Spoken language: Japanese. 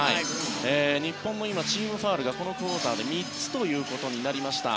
日本のチームファウルがこのクオーターで３つということになりました。